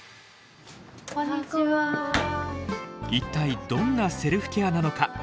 一体どんなセルフケアなのか？